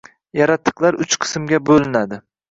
Yaratiqlar uch qismga bo‘linadi